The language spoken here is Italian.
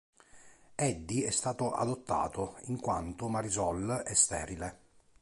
Eddie è stato adottato, in quanto Marisol è sterile.